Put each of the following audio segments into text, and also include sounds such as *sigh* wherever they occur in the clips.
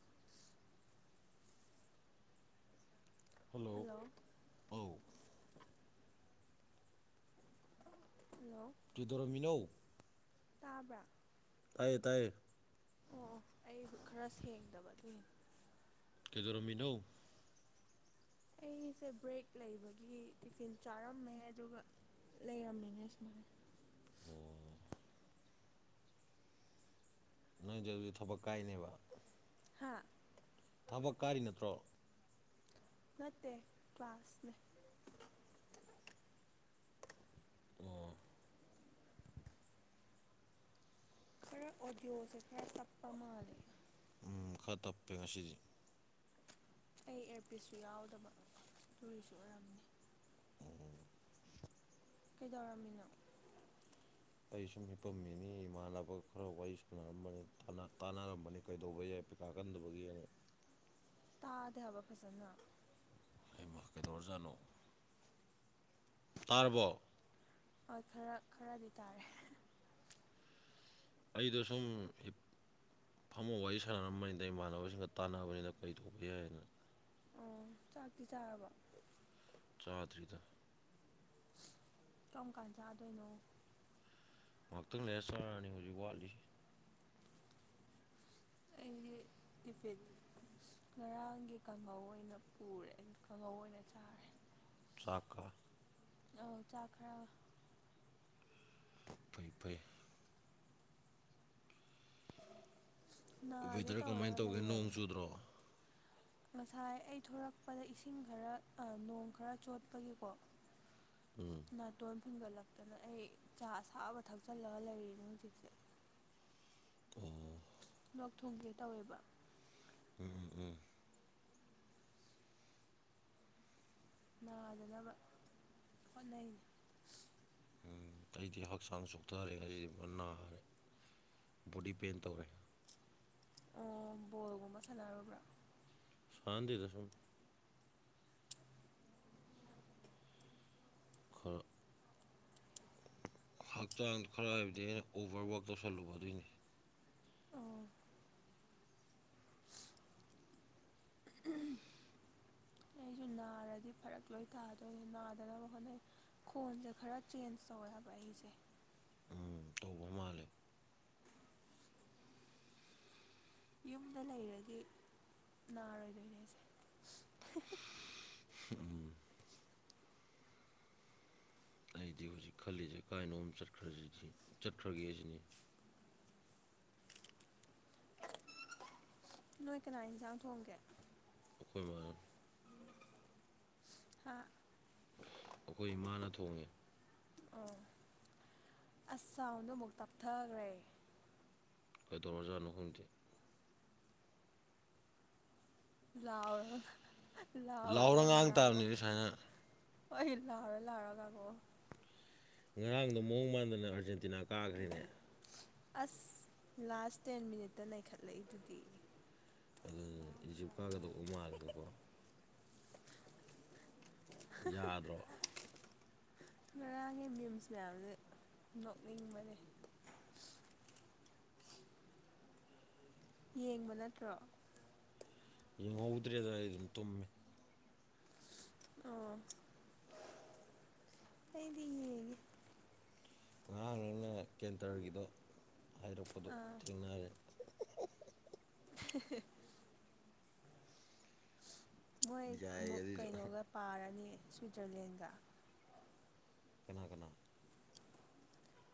*unintelligible* hello ꯑꯧ hello ꯀꯩꯗꯧꯔꯝꯃꯤꯅꯣ ꯇꯥꯕ꯭ꯔꯥ ꯇꯥꯏꯌꯦ ꯇꯥꯏꯌꯦ ꯑꯣ ꯑꯩ ꯈꯔ ꯁꯦꯡꯗꯕ ꯑꯗꯨꯏꯅꯦ ꯀꯩꯗꯧꯔꯝꯃꯤꯅꯣ ꯑꯩꯁꯦ ꯕ꯭ꯔꯦꯛ ꯂꯩꯕꯒꯤ ꯇꯤꯐꯤꯟ ꯆꯥꯔꯝꯃꯦ ꯑꯗꯨꯒ ꯂꯩꯔꯝꯃꯤꯅꯦ ꯁꯨꯃꯥꯏꯅ ꯑꯣ ꯅꯪꯏꯖꯦꯗꯨꯗꯤ ꯊꯕꯛ ꯀꯥꯏꯅꯦꯕ ꯍꯥꯥ ꯊꯕꯛ ꯀꯥꯔꯤ ꯅꯠꯇ꯭ꯔꯣ ꯅꯠꯇꯦ ꯀ꯭ꯂꯥꯁꯅꯦ ꯑꯣ ꯈꯔ ꯑꯣꯗꯤꯌꯣꯁꯦ ꯈꯔ ꯇꯞꯄ ꯃꯥꯜꯂꯦ ꯎꯝ ꯈꯔ ꯇꯞꯄꯦ ꯉꯁꯤꯁꯤ ꯑꯩ ꯑꯦꯔꯄꯤꯁꯁꯨ ꯌꯥꯎꯗꯕ ꯗꯨꯏꯁꯨ ꯑꯣꯏꯔꯝꯅꯤ ꯀꯩꯗꯧꯔꯝꯃꯤꯅꯣ ꯑꯩ ꯁꯨꯝ ꯍꯤꯄꯝ ꯃꯤꯅꯤ ꯏꯃꯥꯟꯅꯕꯒ ꯈꯔ ꯋꯥꯔꯤ ꯁꯥꯟꯅꯔꯝꯕꯅꯤ ꯇꯥꯟꯅꯥ ꯇꯥꯟꯅꯔꯝꯕꯅꯤ ꯀꯩꯗꯧꯕ ꯌꯥꯏ ꯇꯥꯒꯟꯗꯕꯒꯤ ꯇꯥꯗꯦ ꯍꯥꯏꯕ ꯐꯖꯅ ꯍꯩꯃꯥ ꯀꯩꯗꯧꯔꯖꯥꯠꯅꯣ ꯇꯥꯔꯕꯣ ꯍꯣꯏ ꯈꯔ ꯈꯔꯗꯤ ꯇꯥꯔꯦ ꯑꯩꯗꯨ ꯁꯨꯝ ꯍꯤꯞ ꯐꯝꯃ ꯋꯥꯔꯤ ꯁꯥꯟꯅꯔꯝꯕꯅꯤꯗ ꯏꯃꯥꯟꯅꯕꯁꯤꯡꯒ ꯇꯥꯟꯅꯕꯅꯤꯗ ꯀꯔꯤ ꯇꯧꯕ ꯌꯥꯏꯗꯅ ꯑꯣ ꯆꯥꯛꯇꯤ ꯆꯥꯔꯕ ꯆꯥꯗ꯭ꯔꯤꯗ ꯀꯔꯝ ꯀꯥꯟ ꯆꯥꯗꯣꯏꯅꯣ ꯉꯥꯏꯍꯥꯛꯇꯪ ꯂꯩꯔ ꯆꯥꯔꯅꯤ ꯍꯧꯖꯤꯛ ꯋꯥꯠꯂꯤ ꯑꯩꯒꯤꯗꯤ ꯇꯦꯐꯤꯟ ꯉꯔꯥꯡꯒꯤ ꯀꯥꯡꯍꯧ ꯑꯣꯏꯅ ꯄꯨꯔꯦ ꯀꯥꯡꯍꯧ ꯑꯣꯏꯅ ꯆꯥꯔꯦ ꯆꯥꯛꯀꯥ ꯑꯥ ꯆꯥꯛ ꯈꯔꯥ ꯐꯩ ꯐꯩ ꯅꯥꯒꯦ ꯋꯦꯗꯔ ꯀꯃꯥꯏꯅ ꯇꯧꯔꯒ ꯇꯧꯒꯦ ꯅꯣꯡ ꯂꯩꯔꯕꯅꯦ ꯆꯨꯗ꯭ꯔꯣ ꯉꯁꯥꯏ ꯑꯩ ꯊꯣꯔꯛꯄꯗ ꯏꯁꯤꯡ ꯈꯔ ꯅꯣꯡ ꯈꯔ ꯆꯣꯠꯄꯒꯤꯀꯣ ꯎꯝ ꯅꯥꯇꯣꯟ ꯐꯤꯟꯒꯠꯂꯛꯇꯅ ꯑꯩ ꯆꯥ ꯑꯁꯥꯕ ꯊꯛꯆꯜꯂꯒ ꯂꯩꯔꯤꯅꯦ ꯍꯧꯖꯤꯛꯁꯦ ꯎꯝ ꯂꯧꯛ ꯊꯨꯡꯒꯦ ꯇꯧꯋꯦꯕ ꯎꯝ ꯎꯝ ꯅꯥꯗꯅꯕ ꯍꯣꯠꯅꯩꯅꯦ ꯎꯝ ꯑꯩꯗꯤ ꯍꯛꯆꯥꯡ ꯆꯣꯛꯊꯔꯦ ꯑꯩ ꯅꯥꯔꯦ ꯕꯣꯗꯤ ꯄꯦꯟ ꯇꯧꯔꯦ ꯑꯥ ꯕꯣꯜꯒꯨꯝꯕ ꯁꯥꯅꯔꯕ꯭ꯔꯥ ꯁ꯭ꯅꯅꯥꯗꯦꯗꯁꯨꯝ ꯈꯜ ꯍꯛꯆꯥꯡꯗ ꯈꯔꯥ ꯍꯥꯏꯕꯗꯤ ꯑꯣꯕꯔꯋꯥꯛ ꯇꯧꯁꯜꯂꯨꯕ ꯑꯗꯨꯏꯅꯤ ꯑꯣ inaudible ꯑꯩꯁꯨ ꯅꯥꯔꯗꯤ ꯐꯔꯛ ꯂꯣꯏ ꯇꯥꯗꯣꯏ ꯅꯥꯗꯅꯕ ꯍꯣꯠꯅꯩ ꯈꯣꯟꯁꯦ ꯈꯔ ꯆꯦꯟꯖ ꯇꯧꯋꯦꯕ ꯑꯩꯁꯦ ꯎꯝ ꯇꯧꯕ ꯃꯥꯜꯂꯦ ꯌꯨꯝꯗ ꯂꯩꯔꯗꯤ ꯅꯥꯔꯣꯏꯗꯣꯏꯅꯦ ꯑꯩꯁꯦ ꯎꯝ ꯑꯩꯗꯤ ꯍꯧꯖꯤꯛ ꯈꯜꯂꯤꯁꯦ ꯀꯥꯏꯅꯣꯝ ꯆꯠꯈ꯭ꯔꯁꯤꯗꯤ ꯆꯠꯈ꯭ꯔꯒꯦ ꯅꯣꯏ ꯀꯅꯥ ꯏꯟꯁꯥꯡ ꯊꯣꯡꯒꯦ ꯑꯩꯈꯣꯏ ꯃꯥꯅ ꯍꯥꯥ ꯑꯩꯈꯣꯏ ꯏꯃꯥꯅ ꯊꯣꯡꯉꯦ ꯑꯣ ꯑ꯭ꯁ ꯁꯥꯎꯟ ꯗꫭ ꯑꯃꯨꯛ ꯇꯞꯊꯈ꯭ꯔꯦ ꯀꯩꯗꯧꯔ ꯖꯥꯠꯅꫭ ꯈꯪꯗꯦ ꯂꯥꯎꯔꯒꯥ ꯂꯥꯎꯔ ꯉꯥꯡ ꯇꯥꯕꯅꯤꯅꯦ ꯁꯨꯃꯥꯏꯅ ꯍꫭꯏ ꯂꯥꯎꯔ-ꯂꯥꯎꯔ ꯉꯥꯡꯂꯛꯑꫭ ꯉꯔꯥꯡꯗꯣ ꯃꯑꯣꯡ ꯃꯥꯟꯗꯅ ꯑꯥꯔꯖꯦꯟꯇꯤꯅꯥ ꯀꯥꯈ꯭ꯔꯦꯅꯦ ꯑ꯭ꯁ ꯂꯥꯁ ꯇꯦꯟ ꯃꯤꯅꯤꯠꯇ ꯂꯩꯩꯈꯠꯂꯛꯏ ꯑꯗꯨꯗꯤ ꯑꯗꯨꯅꯦ ꯏꯖꯤꯞ ꯀꯥꯒꯗꯧꯕ ꯃꯥꯜꯂꯒꯀꯣ ꯍꯥ-ꯍꯥ ꯌꯥꯗ꯭ꯔꯣ ꯉꯔꯥꯡꯒꯤ ꯃꯤꯝꯁ ꯃꯌꯥꯝꯁꯦ ꯅꯣꯛꯅꯤꯡꯕꯅꯦ ꯌꯦꯡꯕ ꯅꯠꯇ꯭ꯔꯣ ꯌꯦꯡꯍꯧꯗ꯭ꯔꯦꯗ ꯑꯩꯗꯤ ꯇꯨꯝꯃꯦ ꯑꯣ ꯑꯩꯗꯤ ꯌꯦꯡꯉꯦ ꯉꯔꯥꯡ ꯅꯪꯅ ꯀꯦꯟꯇ꯭ꯔꯒꯤꯗꯣ ꯍꯥꯏꯔꯛꯄꯗꯣ ꯑꯥ ꯊꯦꯡꯅꯔꯦ *unintelligible* ꯃꯣꯏ ꯌꯥꯏ ꯑꯃꯨꯛ ꯑꯗꯨꯏꯗꯣ ꯀꯩꯅꯣꯒ ꯄꯥꯔꯅꯤ ꯁ꯭ꯋꯤꯠꯖ꯭ꯔꯂꯦꯟꯒ ꯀꯅꯥ-ꯀꯅꯥ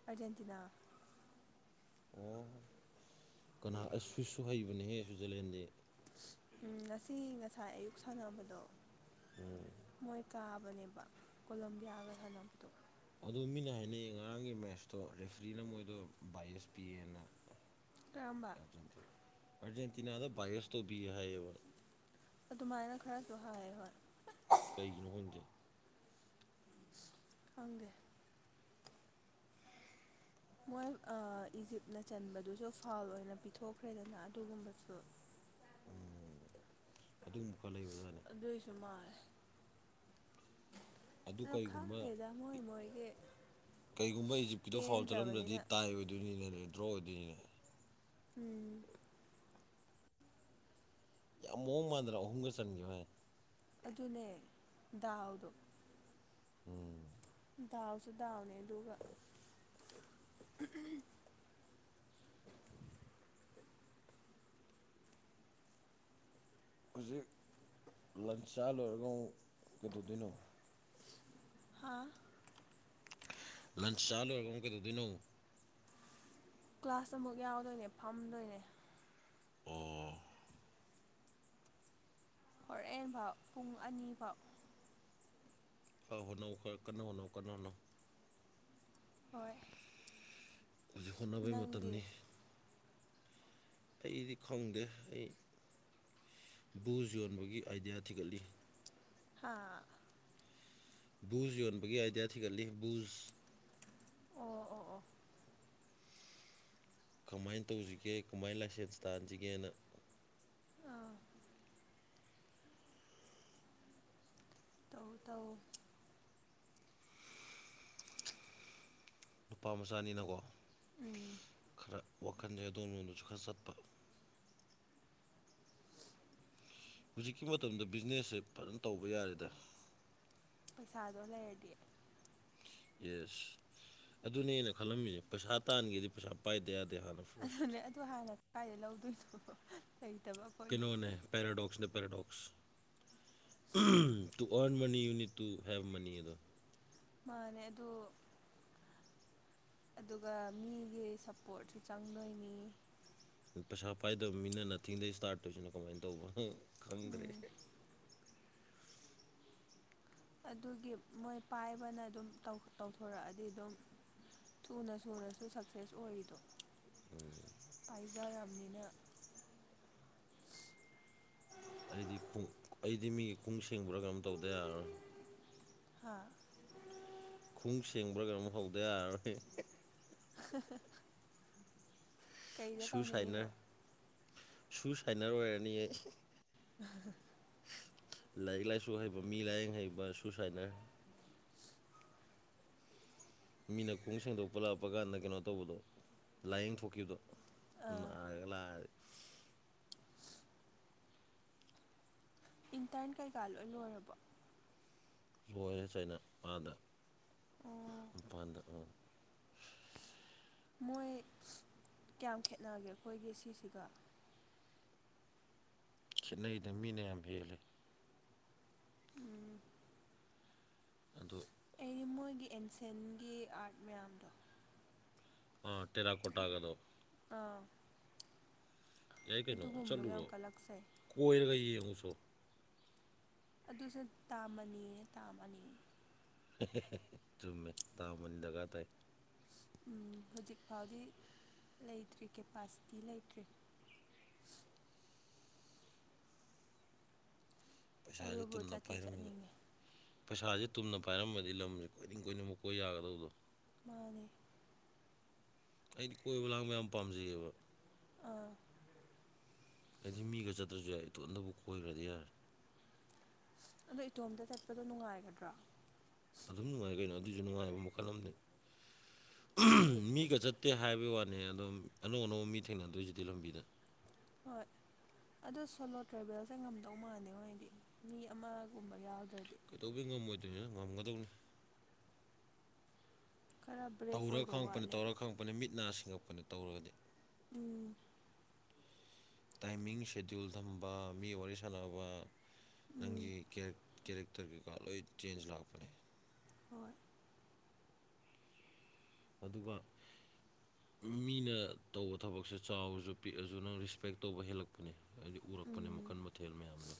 ꯑꯥ꯭ꯔꯖꯦꯟꯇꯤꯅꯥ ꯑꯣ ꯀꯅꯥ ꯑꯁꯨꯁꯨ ꯍꯩꯕꯅꯦꯍꯦ ꯁ꯭ꯋꯤꯠꯖ꯭ꯔꯂꯦꯟꯗꯤ ꯎꯝ ꯉꯁꯤ ꯉꯁꯥꯏ ꯑꯌꯨꯛ ꯁꯥꯟꯅꯕꯗꯣ ꯎꯝ ꯃꯣꯏ ꯀꯥꯕꯅꯦꯕ ꯀꯣꯂꯝꯕꯤꯌꯥꯒ ꯁꯥꯟꯅꯕꯗꯣ ꯑꯗ‌ꯣ ꯃꯤꯅ ꯍꯥꯏꯅꯩꯌꯦ ꯉꯔꯥꯡꯒꯤ ꯃꯦꯠꯁꯇꯣ ꯔꯦꯐ꯭ꯔꯤꯅ ꯃꯣꯏꯗꯣ ꯕꯥꯥꯏꯑꯁ ꯄꯤꯌꯦꯅ ꯀꯔꯝꯕ ꯑꯥ꯭ꯔꯖꯦꯟꯇꯤꯅꯥꯗ ꯕꯥꯥꯏꯌꯁ ꯇꯧꯕꯤꯌ‌ꯦ ꯍꯥꯏꯌꯦꯕ ꯑꯗꯨꯃꯥꯏꯅ ꯈꯔꯁꯨ ꯍꯥꯏꯌ‌ꯦ ꯍꯣꯏ ꯀꯩꯒꯤꯅꯣ ꯈꯪꯗꯦ ꯐꯪꯗꯦ ꯃꯣꯏ ꯏꯖꯤꯞꯅ ꯆꯟꯕꯗꯨꯁꯨ ꯐꯥꯎꯜ ꯑꯣꯏꯅ ꯄꯤꯊꯣꯛꯈ꯭ꯔꯦꯗꯅ ꯑꯗꯨꯒꯨꯝꯕꯁꯨ ꯎꯝ ꯑꯗꯨꯒꯨꯝꯕ ꯈꯔ ꯂꯩꯕꯖꯥꯠ ꯑꯗꯨꯏꯁꯨ ꯃꯥꯜꯂꯦ ꯑꯗꯨ ꯑꯗꯣ ꯀꯩꯒꯨꯝꯕ ꯈꯪꯗꯦꯗ ꯃꯣꯏ ꯃꯣꯏꯒꯤ ꯀꯩꯒꯨꯝꯕ ꯏꯖꯤꯞꯀꯤꯗ ꯐꯥꯎꯜ ꯆꯠꯂꯝꯗ꯭ꯔꯗꯤ ꯄꯦꯟꯗ꯭ꯔꯕꯅꯤꯅ ꯇꯥꯏ ꯗꯨꯏꯅꯤꯅꯦ ꯗ꯭ꯔꯣ ꯑꯣꯏꯗꯣꯏꯅꯤꯅꯦ ꯎꯝ ꯌꯥꯝ ꯃꯑꯣꯡ‌‌ ꯃꯥꯟꯗꯅ ꯑꯍꯨꯝꯒ ꯆꯟꯘꯤꯕꯩ ꯋꯥꯅ‌ꯦ ꯑꯗꯨꯅꯦ ꯗꯥꯎꯗꯣ ꯎꯝ ꯗꯥꯎꯁꯨ ꯗꯥꯎꯅꯦ ꯑꯗꯨꯒ ꯍꯧꯖꯤꯛ ꯂꯟꯁ ꯆꯥ ꯂꯣꯏꯔꯒ ꯑꯃꯨꯛ ꯀꯩꯗꯧꯗꯣꯏꯅꯣ ꯍꯥꯥ ꯂꯟꯁ ꯆꯥꯂꯣꯏꯔꯒ ꯑꯃꯨꯛ ꯀꯩꯗꯧꯗꯣꯏꯅꯣ ꯀ꯭ꯂꯥꯁ ꯑꯃꯨꯛ ꯌꯥꯎꯗꯣꯏꯅꯦ ꯐꯝꯗꯣꯏꯅꯦ ꯑꯣ ꯍꯣꯔ‌ꯦꯟꯐꯥꯎ ꯄꯨꯡ ꯑꯅꯤꯐꯥꯎ ꯑꯧ ꯍꯣꯅꯧ ꯈꯔ ꯀꯟꯅ ꯍ‌ꯣꯠꯅꯧ ꯀꯟꯅ ꯍ‌ꯣꯠꯅꯧ ꯍꯣꯏ ꯍꯧꯖꯤꯛ ꯍꯣꯠꯅꯕꯩ ꯅꯪꯗꯤ ꯃꯇꯝꯅꯤ ꯑꯩꯗꯤ ꯈꯪꯗꯦ ꯑꯩ ꯕꯨꯁ ꯌꯣꯟꯕꯒꯤ ꯑꯥꯏꯗꯤꯌꯥ ꯊꯤꯒꯠꯂꯤ ꯍꯥꯥ ꯕꯨꯖ ꯌꯣꯟꯕꯒꯤ ꯑꯥꯏꯗꯤꯌꯥ ꯊꯤꯒꯠꯂꯤ ꯕꯨꯖ ꯑꯣ ꯑꯣ ꯑꯣ ꯀꯃꯥꯏꯅ ꯇꯧꯁꯤꯒꯦ ꯀꯃꯥꯏꯅ ꯂꯥꯏꯁꯦꯟꯁ ꯇꯥꯟꯁꯤꯒꯦꯅ ꯑꯥ ꯇꯧ ꯇꯧ ꯅꯨꯄꯥ ꯃꯆꯥꯅꯤꯅꯀꯣ ꯎꯝ ꯑꯥ ꯋꯥꯈꯟꯁꯦ ꯑꯗꯣꯝꯂ‌ꯣꯝꯗꯁꯨ ꯈꯔ ꯆꯠꯄ ꯍꯧꯖꯤꯛꯀꯤ ꯃꯇꯝꯗ ꯕꯤꯖꯤꯅꯦꯁꯁꯦ ꯐꯖꯅ ꯇꯧꯕ ꯌꯥꯔꯦꯗ ꯄꯩꯁꯥꯗꯣ ꯂꯩꯔꯗꯤ ꯌꯦꯁ ꯑꯗꯨꯅꯦ ꯑꯩꯅ ꯈꯜꯂꯝꯃꯤꯁꯦ ꯄꯩꯁꯥ ꯇꯥꯟꯒꯦꯗꯤ ꯄꯩꯁꯥ ꯄꯥꯏꯗ ꯌꯥꯗꯦ ꯍꯥꯟꯅ ꯐꯥꯔꯁ ꯑꯗꯨꯅꯦ ꯑꯗꯨ ꯍꯥꯟꯅ ꯀꯥꯏꯗꯩ ꯂꯧꯗꯣꯏꯅꯣ ꯂꯩꯇꯕ ꯑꯩꯈꯣꯏꯗꯤ ꯀꯩꯅꯣꯅꯦ ꯄꯦꯔꯥꯗꯣꯛꯁꯅꯦ ꯄꯦꯔꯗꯣꯛꯁ ꯇꯨ ꯑꯥ꯭ꯔꯟ ꯃꯅꯤ ꯌꯨ ꯍ‌ꯦꯞ ꯇꯨ ꯍꯦꯞ ꯃꯅꯤ ꯑꯗꯣ ꯃꯥꯅꯦ ꯑꯗꯨ ꯑꯗꯨꯒ ꯃꯤꯒꯤ ꯁꯞꯄꯣꯔꯠꯁꯨ ꯆꯪꯗꯣꯏꯅꯤ ꯄꯩꯁꯥ ꯄꯥꯏꯗꯕ ꯃꯤꯅ ꯅꯊꯤꯡꯗꯩ ꯏꯁꯇꯥꯔꯠ ꯇꯨꯁꯟ ꯀꯃꯥꯏꯅ ꯇꯧꯕꯅꯣ ꯈꯪꯗ꯭ꯔꯦ ꯎꯝ ꯑꯗꯨꯒꯤ ꯃꯣꯏ ꯄꯥꯏꯕꯅ ꯑꯗꯨꯝ ꯇꯧꯊꯣꯔꯛꯑꯗꯤ ꯑꯗꯨꯝ ꯊꯨꯅ ꯁꯨꯔꯁꯨ ꯁꯛꯁꯦꯁ ꯑꯣꯏꯔꯤꯗꯣ ꯄꯥꯏꯖꯔꯝꯅꯤꯅ ꯑꯩꯗꯤ ꯈꯨ ꯑꯩꯗꯤ ꯃꯤꯒꯤ ꯈꯨꯉꯨꯞ ꯁꯦꯡꯕꯨꯔꯥꯒ ꯑꯝ ꯇꯧꯗ ꯌꯥꯔꯔꯣꯏ ꯍꯥ *inaudible* ꯈꯣꯡꯉꯨꯞ ꯁꯦꯡꯕ꯭ꯔꯥ ꯀꯩꯅꯣꯝ ꯍꯧꯗ ꯌꯥꯔꯔꯣꯏ *inaudible* ꯀꯩꯗ ꯁꯨ ꯇꯧꯅꯤꯡꯉꯤꯅꯣ ꯁꯥꯏꯅꯔ ꯁꯨ ꯁꯥꯏꯅꯔ ꯑꯣꯏꯔꯅꯤꯌꯦ *inaudible* ꯂꯥꯏꯔꯤꯛ ꯂꯥꯏꯁꯨ ꯍꯩꯕ ꯃꯤ ꯂꯥꯏꯌꯦꯡ ꯍꯩꯕ ꯁꯨꯁꯥꯏꯅꯔ ꯃꯤꯅ ꯈꯨꯉꯨꯞ ꯁꯦꯡꯗꯣꯛꯄ ꯂꯥꯛꯄ ꯀꯥꯟꯗ ꯀꯩꯅꯣ ꯇꯧꯕꯗꯣ ꯂꯥꯏꯌꯦꯡ ꯊꯣꯛꯈꯤꯕꯗꯣ ꯑꯥ ꯅꯔꯥꯒꯥ ꯂꯥꯛꯑꯗꯤ ꯏꯟꯇꯔꯟ ꯀꯩꯀꯥ ꯂꯣꯏ ꯂꯣꯏꯔꯕꯣ ꯂꯣꯏꯔꯦ ꯆꯩꯩꯅ ꯑꯥꯗ ꯑꯣ ꯃꯄꯥꯟꯗ ꯑꯥ ꯃꯣꯏ ꯀꯌꯥꯝ ꯈꯦꯠꯅꯒꯦ ꯑꯩꯈꯣꯏꯒꯤ ꯁꯤꯁꯤꯒ ꯈꯦꯠꯅꯩꯗ ꯃꯤꯅ ꯌꯥꯝ ꯍꯦꯜꯂꯤ ꯎꯝ ꯑꯗꯣ ꯑꯩꯗꯤ ꯃꯣꯏꯒꯤ ꯑꯦꯟꯁꯦꯟꯒꯤ ꯑꯥꯔꯠ ꯃꯌꯥꯝꯗꯣ ꯑꯥ ꯇꯦꯔꯥꯀꯣꯠꯇꯒꯗꯣ ꯑꯥ ꯌꯥꯏ ꯀꯩꯅꯣ ꯑꯗꯨꯒꯨꯝꯕꯗꯣ ꯆꯠꯂꯨꯔꯣ ꯌꯥꯝ ꯀꯜꯂꯛꯆꯩ ꯀꯣꯏꯔꯒ ꯌꯦꯡꯉꯨꯆꯣ ꯑꯗꯨꯁꯨ ꯇꯥꯃꯅꯤꯅꯦ ꯇꯥꯃꯅꯤ ꯆꯨꯝꯃꯦ ꯇꯥꯃꯅꯤ ꯗꯔꯀꯥꯔ ꯇꯥꯏ ꯎꯝ ꯍꯧꯖꯤꯛ ꯐꯥꯎꯗꯤ ꯂꯩꯇ꯭ꯔꯤ ꯀꯦꯄꯥꯁꯤꯇꯤ ꯂꯩꯇ꯭ꯔꯤ ꯄꯩꯁꯥꯥꯁꯦ ꯑꯗꯨꯕꯨ ꯇꯨꯝꯅ ꯆꯠꯇꯤ ꯄꯥꯏꯔꯝꯕꯗ ꯆꯠꯅꯤꯡꯉꯦ ꯄꯩꯁꯥꯁꯦ ꯇꯨꯝꯅ ꯄꯥꯏꯔꯝꯃꯗꯤ ꯂꯝꯁꯦ ꯀꯣꯏꯅꯤꯡ ꯀꯣꯏꯅꯤꯡꯕ ꯀꯣꯏ ꯌꯥꯒꯗꯕꯗꯣ ꯃꯥꯅꯦ ꯑꯩꯗꯤ ꯀꯣꯏꯕ ꯂꯥꯡꯕ ꯌꯥꯝ ꯄꯥꯝꯖꯩꯑꯦꯕ ꯑꯥ ꯑꯩꯗꯤ ꯃꯤꯒ ꯆꯠꯇ꯭ꯔꯁꯨ ꯌꯥꯏ ꯏꯇꯣꯝꯗꯕꯨ ꯀꯣꯏꯔꯨꯔꯗꯤ ꯌꯥꯔꯦ ꯑꯗꯣ ꯏꯇꯣꯝꯇ ꯆꯠꯄꯗꯣ ꯅꯨꯡꯉꯥꯏꯒꯗ꯭ꯔꯣ ꯑꯗꯨꯝ ꯅꯨꯡꯉꯥꯏ ꯀꯩꯅꯣ ꯑꯗꯨꯁꯨ ꯅꯨꯡꯉꯥꯏꯕ ꯃꯈꯜ ꯑꯃꯅꯤ ꯑꯩ ꯃꯤꯒ ꯆꯠꯇꯦ ꯍꯥꯏꯕꯩ ꯋꯥꯅꯦ ꯑꯗꯨꯝ ꯑꯅꯧ ꯑꯅꯧꯕ ꯃꯤ ꯊꯦꯡꯅꯗꯣꯏꯁꯤꯗꯤ ꯂꯝꯕꯤꯗ ꯍꯣꯏ *inaudible* ꯑꯗꯣ ꯁꯣꯂꯣ ꯇ꯭ꯔꯦꯕꯦꯜꯁꯦ ꯉꯝꯗꯧ ꯃꯥꯜꯗꯦꯉꯣ ꯑꯩꯗꯤ ꯃꯤ ꯑꯃꯒꯨꯝꯕ ꯌꯥꯎꯗ꯭ꯔꯥꯗꯤ ꯀꯩꯗꯧꯕꯩ ꯉꯝꯃꯣꯏꯗꯣꯏꯅꯣ ꯉꯝꯒꯗꯧꯅꯤ ꯈꯔ ꯕ꯭ꯔꯦꯐ ꯇꯧꯔꯥ ꯑꯣꯏꯕ ꯈꯪꯉꯛꯄꯅꯤ ꯇꯧꯔꯥ ꯋꯥꯠꯂꯦꯕ ꯈꯪꯉꯛꯄꯅꯤ ꯃꯤꯠ ꯅꯥ ꯁꯤꯡꯉꯛꯄꯅꯤ ꯇꯧꯔꯒꯗꯤ ꯎꯝ ꯇꯥꯏꯃꯤꯡ ꯁꯦꯗꯨꯜ ꯊꯝꯕ ꯃꯤ ꯋꯥꯔꯤ ꯁꯥꯟꯅꯕ ꯎꯝ ꯅꯪꯒꯤ ꯀꯦꯔꯦ ꯀꯦꯔꯦꯛꯇꯔ ꯀꯩꯀꯥ ꯂꯣꯏ ꯆꯦꯟꯖ ꯂꯥꯛꯄꯅꯦ ꯍꯣꯏ ꯑꯗꯨꯒ ꯃꯤꯅ ꯇꯧꯕ ꯊꯕꯛꯁꯦ ꯆꯥꯎꯔꯁꯨ ꯄꯤꯛꯑꯁꯨ ꯅꯪ ꯔꯦꯁꯄꯦꯛ ꯇꯧꯕ ꯍꯦꯜꯂꯛ ꯄꯥꯅꯦ ꯍꯥꯏꯗꯤ ꯎꯔꯛꯄꯅꯦ ꯎꯝ ꯃꯈꯜ ꯃꯊꯦꯜ ꯃꯌꯥꯝꯗꯣ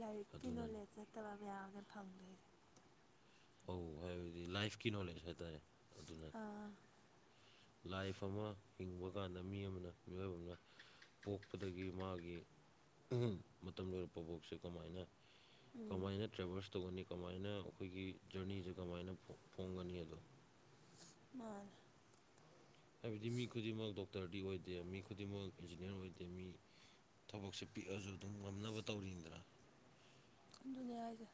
ꯂꯥꯏꯔꯤꯛꯀꯤ ꯑꯗꯨꯅꯅꯤ ꯅꯣꯂꯦꯖ ꯅꯠꯇꯕ ꯃꯌꯥꯝꯅꯦ ꯐꯪꯗꯣꯏꯁꯦ ꯑꯧ ꯍꯥꯏꯕꯗꯤ ꯂꯥꯏꯐꯀꯤ ꯅꯣꯂꯦꯖ ꯍꯥꯏꯇꯥꯔꯦ ꯑꯗꯨꯅ *inaudible* ꯑꯥ ꯂꯥꯏꯐ ꯑꯃ ꯍꯤꯡꯕ ꯀꯥꯟꯗ ꯃꯤ ꯑꯃꯅ ꯃꯤꯑꯣꯏꯕ ꯑꯃꯅ ꯄꯣꯛꯄꯗꯒꯤ ꯃꯥꯒꯤ ꯃꯇꯝ ꯂꯣꯏꯔꯛꯄꯕꯣꯛꯁꯦ ꯀꯃꯥꯏꯅ ꯎꯝ ꯀꯃꯥꯏꯅ ꯇ꯭ꯔꯦꯚꯦꯜꯁ ꯇꯧꯒꯅꯤ ꯀꯃꯥꯏꯅ ꯑꯩꯈꯣꯏꯒꯤ ꯖꯔꯅꯤꯁꯦ ꯀꯃꯥꯏꯅ ꯐꯣꯡꯒꯅꯤ ꯑꯗꯣ ꯃꯥꯅꯦ ꯍꯥꯏꯕꯗꯤ ꯃꯤ ꯈꯨꯗꯤꯡꯃꯛ ꯗꯣꯛꯇꯔꯗꯤ ꯑꯣꯏꯗꯦ ꯃꯤ ꯈꯨꯗꯤꯡꯃꯛ ꯏꯟꯖꯤꯅꯤꯌꯥꯔ ꯑꯣꯏꯗꯦ ꯃꯤ ꯊꯕꯛꯁꯦ ꯄꯤꯛꯑꯁꯨ ꯑꯗꯨꯝ ꯉꯝꯅꯕ ꯇꯧꯔꯤꯅꯤꯗꯅ ꯑꯗꯨꯅꯦ ꯍꯥꯏꯁꯦ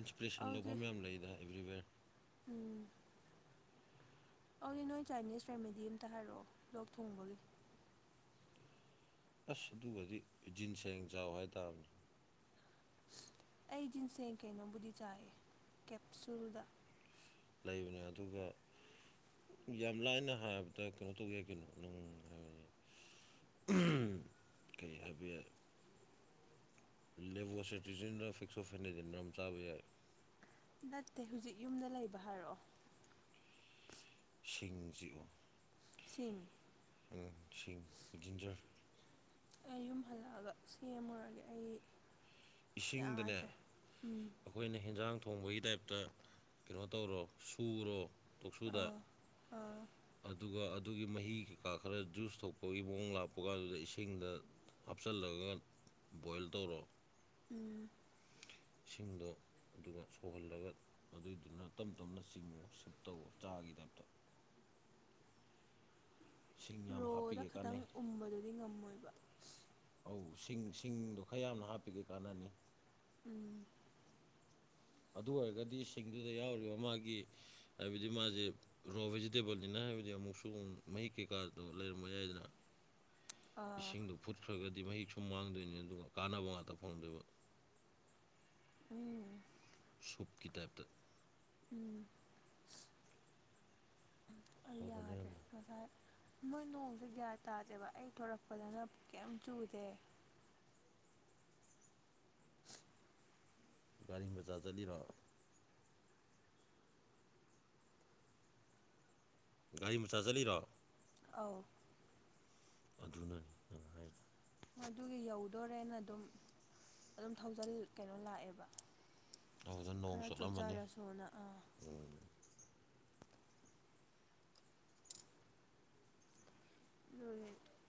ꯏꯟꯁꯄꯤꯔꯦꯁꯟ ꯑꯗꯨꯗꯤ ꯂꯧꯐꯝ ꯃꯌꯥꯝ ꯂꯩꯗ ꯑꯦꯕ꯭ꯔꯤꯋꯦꯔ ꯎꯝ ꯑꯗꯨꯗꯤ ꯅꯣꯏ ꯆꯥꯏꯅꯤꯁ ꯔꯦꯃꯤꯗꯤ ꯑꯃꯝꯇ ꯍꯥꯏꯔꯛꯑꯣ ꯂꯣꯛ ꯊꯣꯡꯕꯒꯤ ꯑꯁ ꯑꯗꯨꯒꯗꯤ ꯖꯤꯟꯁꯦꯡ ꯆꯥꯎ ꯍꯥꯏꯇꯥꯥꯕꯅꯤ ꯑꯩ ꯖꯤꯟꯁꯦꯡ ꯀꯩꯅꯣꯕꯨꯗꯤ ꯆꯥꯏꯌꯦ ꯀꯦꯞꯁꯨꯜꯗ ꯂꯩꯕꯅꯦ ꯑꯗꯨꯒ ꯌꯥꯝ ꯂꯥꯏꯅ ꯍꯥꯏꯔꯕꯗ ꯀꯩꯅꯣ ꯇꯧꯒꯦ ꯀꯩꯅꯣ ꯅꯅꯨꯡ ꯍꯥꯏ ꯀꯩ ꯍꯥꯏꯕ ꯌꯥꯏ ꯂꯦꯕꯣꯁꯦꯇꯤꯖꯤꯟꯗ ꯐꯤꯛꯁꯣ ꯐꯦꯅꯖꯟꯝ ꯆꯥꯕ ꯌꯥꯏ ꯅꯠꯇꯦ ꯍꯧꯖꯤꯛ ꯌꯨꯝꯗ ꯂꯩꯕ ꯍꯥꯏꯔꯛꯑꯣ ꯁꯤꯡ ꯆꯤꯛꯑꯣ ꯁꯤꯡ ꯁꯤꯡ ꯖꯤꯟꯖꯔ ꯑꯩ ꯌꯨꯝ ꯍꯜꯂꯛꯑꯒ ꯁꯦꯝꯃꯨꯔꯒꯦ ꯑꯩ ꯏꯁꯤꯡꯗꯅꯦ ꯌꯥꯗ꯭ꯔꯦ ꯎꯝ ꯑꯩꯈꯣꯏꯅ ꯍꯦꯟꯖꯥꯡ ꯊꯣꯡꯕꯒꯤ ꯇꯥꯏꯞꯇ ꯀꯩꯅꯣ ꯇꯧꯔꯣ ꯁꯨꯔꯣ ꯇꯣꯛꯁꯨꯗ ꯑꯥ ꯑꯥ ꯎꯝ ꯑꯗꯨꯒ ꯑꯗꯨꯒꯤ ꯃꯍꯤ ꯀꯩꯀꯥ ꯈꯔ ꯖꯨꯁ ꯊꯣꯛꯄꯒꯤ ꯃꯑꯣꯡ ꯂꯥꯛꯄ ꯀꯥꯟꯗꯨꯗ ꯏꯁꯤꯡꯗ ꯍꯥꯞꯆꯤꯜꯂꯒ ꯕꯣꯏꯜ ꯇꯧꯔꯣ ꯎꯝ ꯁꯤꯡꯗꯣ ꯑꯗꯨꯒ ꯁꯧꯍꯜꯂꯒ ꯑꯗꯨꯏꯗꯨꯅ ꯇꯞ ꯇꯞꯅ ꯆꯤꯡꯉꯨ ꯁꯤꯞ ꯇꯧꯋꯣ ꯆꯥꯒꯤ ꯇꯥꯏꯞꯇ ꯁꯤꯡ ꯌꯥꯝ ꯔꯣꯗ ꯍꯥꯞꯄꯤꯒꯦ ꯈꯇꯪ ꯀꯥꯟꯅꯩ ꯎꯝꯕꯗꯨꯗꯤ ꯉꯝꯃꯣꯏꯕ ꯑꯧ ꯁꯤꯡ ꯁꯤꯡꯗꯣ ꯈꯔ ꯌꯥꯝꯅ ꯍꯥꯞꯄꯤꯒꯩ ꯀꯥꯟꯅꯅꯤ ꯎꯝ ꯑꯗꯨ ꯑꯣꯏꯔꯒꯗꯤ ꯁꯤꯡꯗꯨꯗ ꯌꯥꯎꯔꯤꯕ ꯃꯥꯒꯤ ꯍꯥꯏꯕꯗꯤ ꯃꯥꯁꯦ ꯔꯣ ꯚꯦꯖꯤꯇꯦꯕꯜꯅꯤꯅ ꯍꯥꯏꯕꯗꯤ ꯑꯃꯨꯛꯁꯨ ꯃꯍꯤ ꯀꯩꯀꯥꯗꯣ ꯂꯩꯔꯝꯕ ꯌꯥꯏꯗꯅ ꯑꯥ ꯏꯁꯤꯡꯗꯣ ꯐꯨꯠꯈ꯭ꯔꯒꯗꯤ ꯃꯍꯤꯛ ꯁꯨ ꯃꯥꯡꯗꯣꯏꯅꯤ ꯑꯗꯨꯒ ꯀꯥꯟꯅꯕ ꯉꯥꯛꯇ ꯐꯪꯗꯣꯏꯕ ꯎꯝ ꯁꯨꯞꯀꯤ ꯇꯥꯏꯞꯇ ꯎꯝ *inaudible* ꯑꯩ ꯌꯥꯗ꯭ꯔꯦ ꯌꯥꯝꯅ ꯉꯁꯥꯏ ꯃꯣꯏ ꯅꯣꯡꯁꯦ ꯒ꯭ꯌꯥꯟ ꯇꯥꯗꯦꯕ ꯑꯩ ꯊꯣꯔꯛꯄꯗꯅ ꯀꯩꯝ ꯆꯨꯗꯦ ꯒꯥꯔꯤ ꯃꯆꯥ ꯆꯠꯂꯤꯔꯣ ꯒꯥꯔꯤ ꯃꯆꯥ ꯆꯠꯂꯤꯔꯣ ꯑꯥꯎ ꯑꯗꯨꯅꯅꯤ ꯅꯥꯏꯗꯣ ꯑꯗꯨꯒꯤ ꯌꯧꯗꯣꯔꯦꯅ ꯑꯗꯨꯝ ꯑꯗꯨꯝ ꯊꯧꯖꯜ ꯀꯩꯅꯣ ꯂꯥꯛꯑꯦꯕ ꯑꯗꯨꯗ ꯅꯣꯡ ꯈꯔ ꯆꯣꯠꯂꯝꯃꯅꯤ ꯆꯣꯠꯆꯔꯁꯨꯅ ꯑꯥ ꯗꯨꯒꯤ